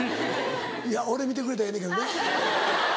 いや俺見てくれたらええねんけどね。